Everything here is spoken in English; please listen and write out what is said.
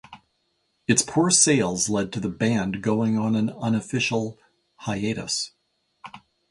Its poor sales led to the band going on an unofficial hiatus.